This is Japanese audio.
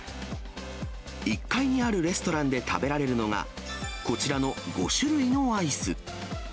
１階にあるレストランで食べられるのがこちらの５種類のアイス。